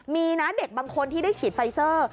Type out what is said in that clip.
มีนะเด็กบางคนที่ได้ฉีดไฟเซอร์